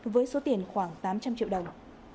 với số tiền khoảng tám trăm linh triệu đồng